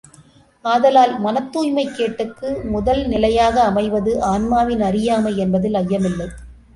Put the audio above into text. ஆதலால், மனத் தூய்மைக் கேட்டுக்கு முதல் நிலையாக அமைவது ஆன்மாவின் அறியாமை என்பதில் ஐயமில்லை.